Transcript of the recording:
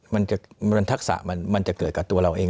มันจะเกิดกับตัวเราเอง